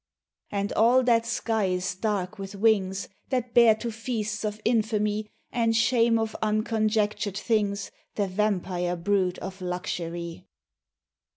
And all that sky is dark with wings That bear to feasts of infamy And shame of unconjectured things The vampire brood of luxury.